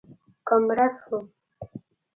که مړه شوم